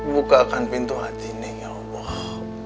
bukakan pintu hati ini ya allah